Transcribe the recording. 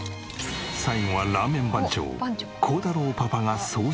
最後はラーメン番長耕太郎パパが総仕上げ！